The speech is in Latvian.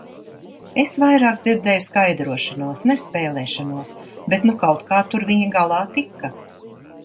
Es vairāk dzirdēju skaidrošanos, ne spēlēšanos, bet nu kaut kā tur viņi galā tika.